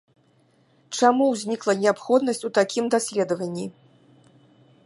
Чаму ўзнікла неабходнасць у такім даследаванні?